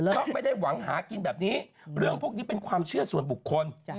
เพราะไม่ได้หวังหากินแบบนี้เรื่องพวกนี้เป็นความเชื่อส่วนบุคคล